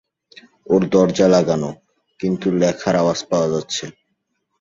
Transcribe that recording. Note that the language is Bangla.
ওর দরজা লাগানো, কিন্তু লেখার আওয়াজ পাওয়া যাচ্ছে।